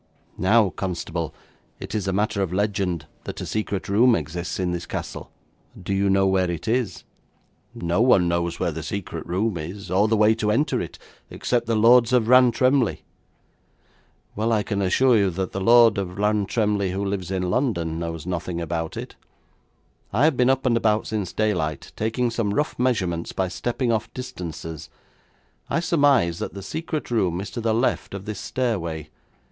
Now, constable, it is a matter of legend that a secret room exists in this castle. Do you know where it is?' 'No one knows where the secret room is, or the way to enter it, except the Lords of Rantremly.' 'Well, I can assure you that the Lord of Rantremly who lives in London knows nothing about it. I have been up and about since daylight, taking some rough measurements by stepping off distances. I surmise that the secret room is to the left of this stairway.